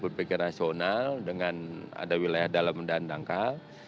berpikir rasional dengan ada wilayah dalam dan dangkal